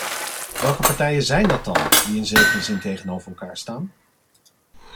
Welke partijen zijn dat dan die in zekere zin tegenover elkaar staan?